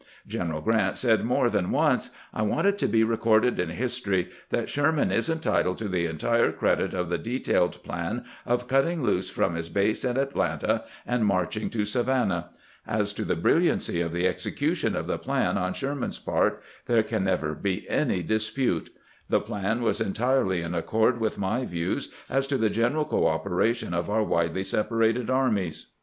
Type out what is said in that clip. General Grant said more than once :" I want it to be recorded in history that Sherman is entitled to the entire credit of the de tailed plan of cutting loose from his base at Atlanta and marching to Savannah. As to the brilliancy of the exe cution of the plan on Sherman's part there can never be any dispute. The plan was entirely in accord with my views as to the general cooperation of our widely separated armies."